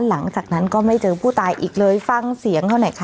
หลังจากนั้นก็ไม่เจอผู้ตายอีกเลยฟังเสียงเขาหน่อยค่ะ